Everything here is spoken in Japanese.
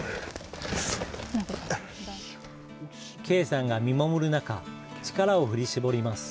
慧さんが見守る中、力を振り絞ります。